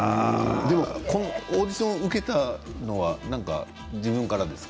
オーディションを受けたのは自分からですか？